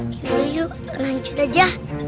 yaudah yuk lanjut aja